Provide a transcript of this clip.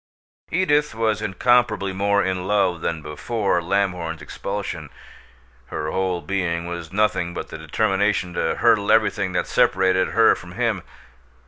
Edith was incomparably more in love than before Lamhorn's expulsion. Her whole being was nothing but the determination to hurdle everything that separated her from him.